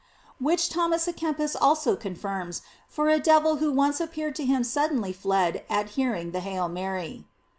Which Thomas a Kempis also confirms, for a devil who once appeared to him suddenly fled at hearing the "Hail Mary."